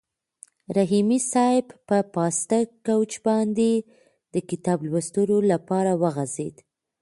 رحیمي صیب په پاسته کوچ باندې د کتاب لوستلو لپاره وغځېد.